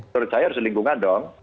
menurut saya harus lingkungan dong